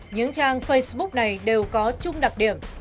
những trang facebook này đều có chung đặc điểm